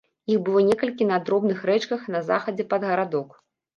Іх было некалькі на дробных рэчках на захадзе пад гарадок.